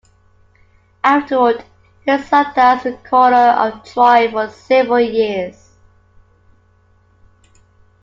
Afterward he served as Recorder of Troy for several years.